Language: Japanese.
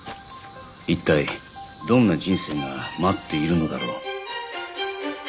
一体どんな人生が待っているのだろう